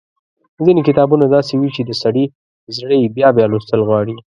ځينې کتابونه داسې وي چې د سړي زړه يې بيا بيا لوستل غواړي۔